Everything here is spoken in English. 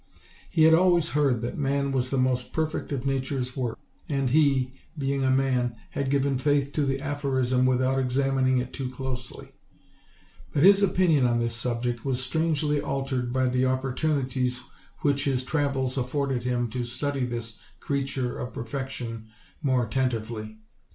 He had always heard that man was the most perfect of Nature's works, and he, being a man, had given faith to the aphorism without examining it too closely; but his opinion on this subject was strangely al tered by the opportunities which his travels afforded him to study this creature of perfection more attentively.